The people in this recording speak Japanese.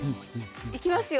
行きますよ。